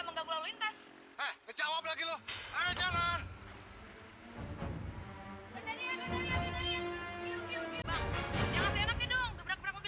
bang jangan kena gedung gebrang gebrang mobil orang